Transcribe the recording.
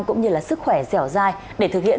cũng như là sức khỏe dẻo dai để thực hiện